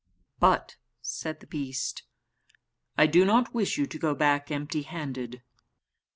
"But," said the beast, "I do not wish you to go back empty handed.